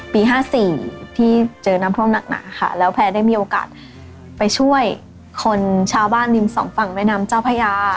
๕๔ที่เจอน้ำท่วมหนักค่ะแล้วแพร่ได้มีโอกาสไปช่วยคนชาวบ้านริมสองฝั่งแม่น้ำเจ้าพญา